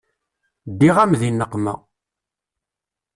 Ddiɣ-am di nneqma.